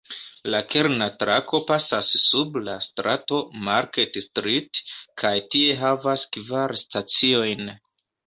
La kerna trako pasas sub la strato "Market Street" kaj tie havas kvar staciojn.